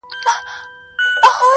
• يو له بله يې وهلي وه جگړه وه -